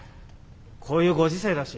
こういうご時世だし。